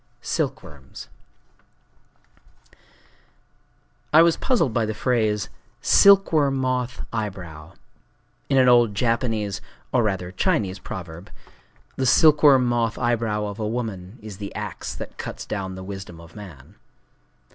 Silkworms I I was puzzled by the phrase, "silkworm moth eyebrow," in an old Japanese, or rather Chinese proverb:—_The silkworm moth eyebrow of a woman is the axe that cuts down the wisdom of man.